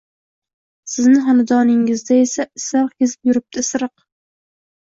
Sizni xonadoningazda esa... isiriq kezib yuribdi, isiriq!